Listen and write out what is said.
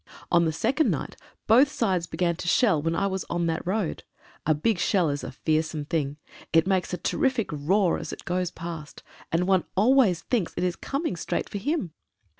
On the second night both sides began to shell when I was on that road. A big shell is a fearsome thing. It makes a terrific roar as it goes past, but one always thinks it is coming straight for him.